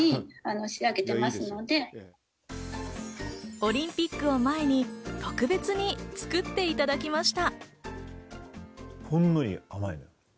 オリンピックを前に、特別に作っていただきました。